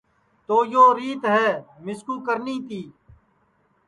تو یو ریت ہے مِسکُو کرنی تی